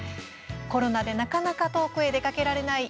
コロナでなかなか遠くへ出かけられない